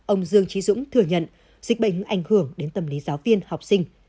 ông dương trí dũng thừa nhận dịch bệnh ảnh hưởng đến tâm lý giáo viên học sinh